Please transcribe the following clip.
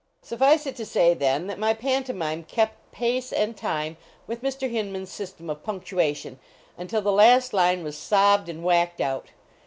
Suffice it to say, then, that my pantomime kept pace and time with Mr. Hinman s sys tem of punctuation until the last line was sobbed and whacked out.